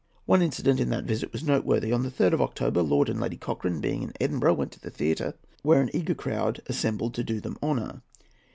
One incident in that visit was noteworthy. On the 3rd of October, Lord and Lady Cochrane, being in Edinburgh, went to the theatre, where an eager crowd assembled to do them honour.